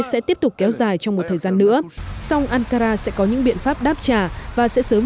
sẽ tiếp tục kéo dài trong một thời gian nữa song ankara sẽ có những biện pháp đáp trả và sẽ sớm